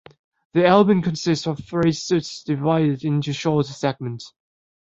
The album consists of three suites divided into shorter segments.